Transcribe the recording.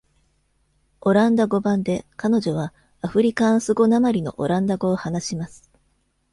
オランダ語版で、彼女は、アフリカーンス語訛りのオランダ語を話します。